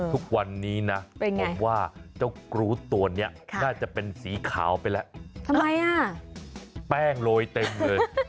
ทุกวันนี้นะผมว่าเจ้ากรูดตัวนี้น่าจะเป็นสีขาวไปแล้วทำไมอ่ะแป้งโรยเต็มเลย